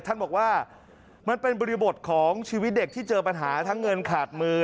ท่านบอกว่ามันเป็นบริบทของชีวิตเด็กที่เจอปัญหาทั้งเงินขาดมือ